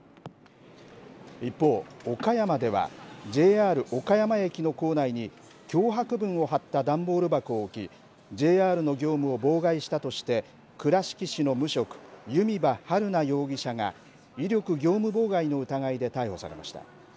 一方、岡山ではＪＲ岡山駅の構内に脅迫文を貼った段ボール箱を置きＪＲの業務を妨害したとして倉敷市の無職弓場晴菜容疑者が威力業務妨害の疑いで逮捕されました。